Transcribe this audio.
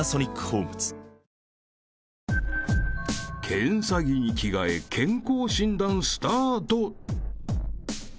［検査着に着替え健康診断スタート］